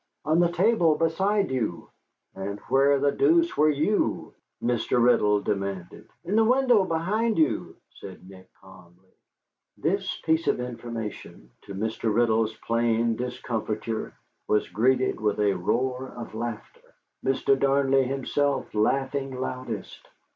"On the table beside you." "And where the deuce were you?" Mr. Riddle demanded. "In the window behind you," said Nick, calmly. This piece of information, to Mr. Riddle's plain discomfiture, was greeted with a roar of laughter, Mr. Darnley himself laughing loudest.